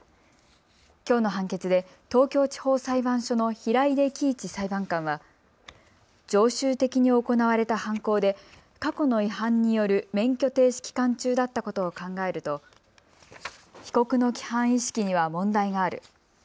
きょうの判決で東京地方裁判所の平出喜一裁判官は常習的に行われた犯行で過去の違反による免許停止期間中だったことを考えると被告の規範意識には問題がある。